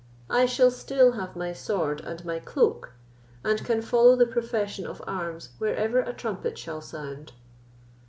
I shall still have my sword and my cloak, and can follow the profession of arms wherever a trumpet shall sound."